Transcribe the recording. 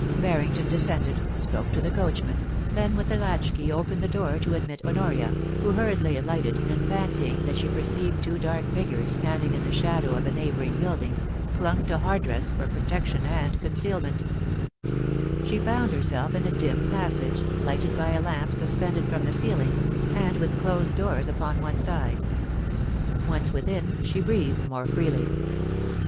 Barrington descended, spoke to the coachman, then with a latch key opened the door to admit Honoria, who hurriedly alighted, and, fancying that she perceived two dark figures standing in the shadow of a neighbouring building, clung to Hardress for protection and concealment She found herself in a dim passage, lighted by a lamp suspended from the ceiling, and with closed doors upK>n one side. Once within, she breathed more freely.